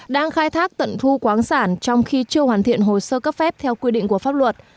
đang khai thác tận thu khoáng sản trong khi chưa hoàn thiện hồ sơ cấp phép theo quy định của pháp luật